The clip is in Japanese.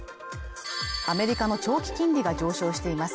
アメリカの長期金利が上昇しています